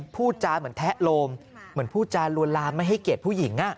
พูดจาเหมือนแทะโลมเหมือนพูดจานวนลามไม่ให้เกียรติผู้หญิง